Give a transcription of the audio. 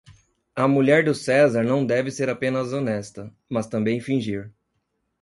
A mulher do César não deve ser apenas honesta, mas também fingir.